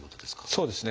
そうですね。